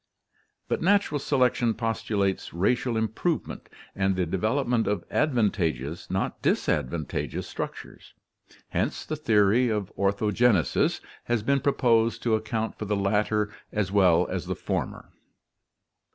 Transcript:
But natural selection postulates racial improvement, and the develop ment of advantageous, not disadvantageous structures, hence the theory of orthogenesis has been proposed to account for the latter as well as the former.